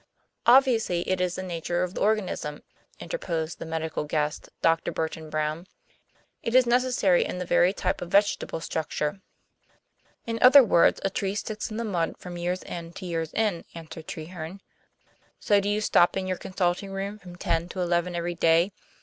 "Obviously, it is the nature of the organism", interposed the medical guest, Dr. Burton Brown; "it is necessary in the very type of vegetable structure." "In other words, a tree sticks in the mud from year's end to year's end," answered Treherne. "So do you stop in your consulting room from ten to eleven every day.